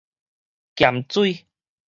鹽水